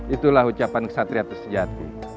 itulah ucapan kesatria tersejati